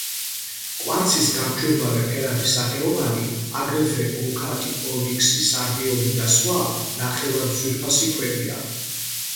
კვარცის გამჭვირვალე ფერადი სახეობანი, აგრეთვე აქატი, ონიქსი, სარდიონი და სხვა ნახევრადძვირფასი ქვებია.